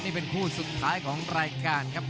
นี่เป็นคู่สุดท้ายของรายการครับ